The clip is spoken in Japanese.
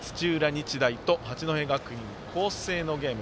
日大と八戸学院光星のゲーム。